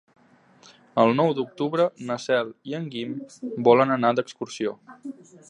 El nou d'octubre na Cel i en Guim volen anar d'excursió.